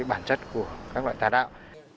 bản chất của các loại tà đạo